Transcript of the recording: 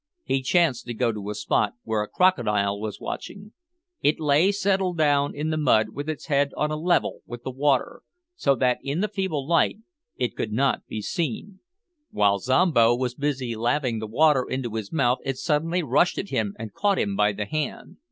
He chanced to go to a spot where a crocodile was watching. It lay settled down in the mud with its head on a level with the water, so that in the feeble light it could not be seen. While Zombo was busy laving the water into his mouth it suddenly rushed at him and caught him by the hand.